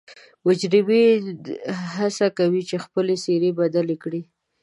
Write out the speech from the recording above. مجرمین حڅه کوي چې خپلې څیرې بدلې کړي